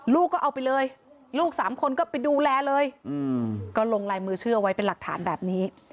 ลูกก็เอาไปเลยลูกสามคนก็ไปดูแลเลยก็ลงลายมือชื่อเอาไว้เป็นหลักฐานแบบนี้